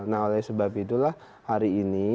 nah oleh sebab itulah hari ini